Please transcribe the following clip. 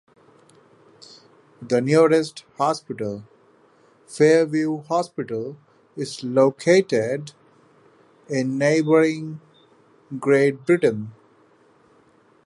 The nearest hospital, Fairview Hospital, is located in neighboring Great Barrington.